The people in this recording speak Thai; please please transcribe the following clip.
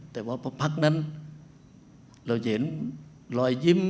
แต่ว่าพอพักนั้นเราจะเห็นรอยยิ้ม